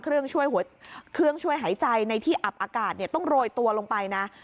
เครื่องช่วยหายใจในที่อับอากาศต้องโรยตัวลงไปนะ